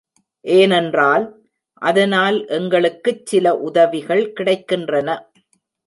ஏனென்றால், அதனால் எங்களுக்குச் சில உதவிகள் கிடைக்கின்றன.